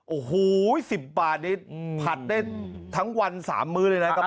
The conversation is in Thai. โอ้โห๑๐บาทนี้ผัดได้ทั้งวัน๓มื้อเลยนะครับ